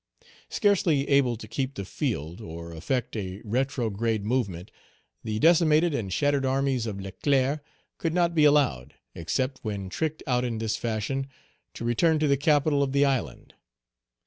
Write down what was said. Scarcely able to keep the field or effect a retrograde movement, the decimated and shattered armies of Leclerc could not be allowed, except when tricked out in this fashion, to return to the capital of the island.